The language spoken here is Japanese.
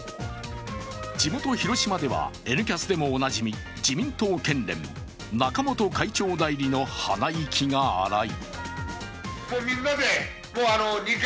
地元・広島では「Ｎキャス」でもおなじみ自民党県連、中本会長代理の鼻息が荒い。